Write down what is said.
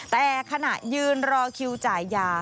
แต่ขณะยืนรอคิวจ่ายยา